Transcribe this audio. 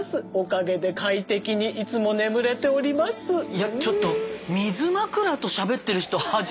いやちょっと水枕としゃべってる人初めて見たんだけど。